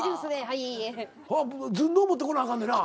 ずんどう持ってこなあかんねんな？